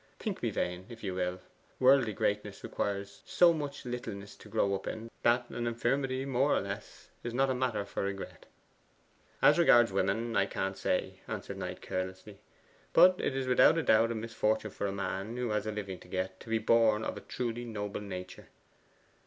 Think me vain, if you will. Worldly greatness requires so much littleness to grow up in, that an infirmity more or less is not a matter for regret.' 'As regards women, I can't say,' answered Knight carelessly; 'but it is without doubt a misfortune for a man who has a living to get, to be born of a truly noble nature.